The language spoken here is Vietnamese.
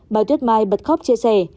bà tuyết mai bật khóc chia sẻ